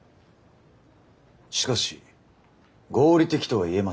しかし合理的とは言えませんね。